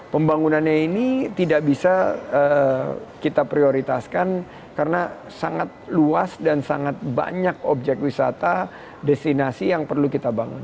pembangunannya ini tidak bisa kita prioritaskan karena sangat luas dan sangat banyak objek wisata destinasi yang perlu kita bangun